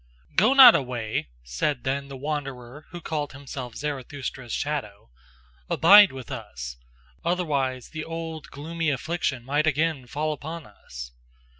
"Go not away!" said then the wanderer who called himself Zarathustra's shadow, "abide with us otherwise the old gloomy affliction might again fall upon us.